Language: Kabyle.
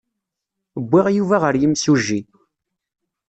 Wwiɣ Yuba ɣer yimsujji.